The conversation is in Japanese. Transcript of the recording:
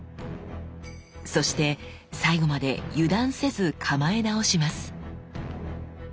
そして最後まで油断せず構え直します。